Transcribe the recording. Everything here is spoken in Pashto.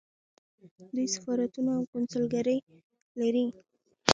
دوی سفارتونه او کونسلګرۍ لري.